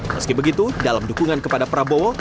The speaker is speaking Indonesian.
meski begitu dalam dukungan kepada prabowo